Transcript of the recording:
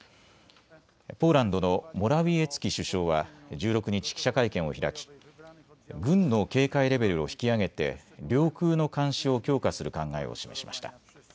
ポーランドのモラウィエツキ首相は１６日、記者会見を開き軍の警戒レベルを引き上げて領空の監視を強化する考えを示しました。